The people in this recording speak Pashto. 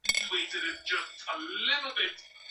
ولي هڅاند سړی د وړ کس په پرتله ښه ځلېږي؟